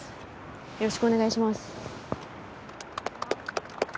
よろしくお願いします。